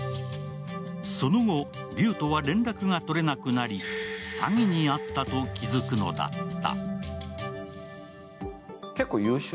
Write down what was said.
その後、劉とは連絡が取れなくなり詐欺に遭ったと気付くのだった。